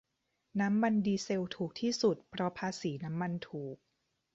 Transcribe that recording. น้ำมันดีเซลถูกที่สุดเพราะภาษีน้ำมันถูก